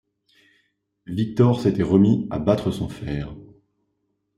Victor s’était remis à battre son fer.